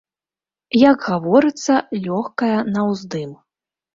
Як гаворыцца, лёгкая на ўздым.